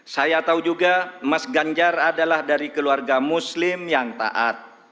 saya tahu juga mas ganjar adalah dari keluarga muslim yang taat